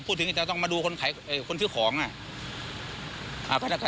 พูดถึงเนี่ยจะต้องมาดูคนเคลือของอ่ะ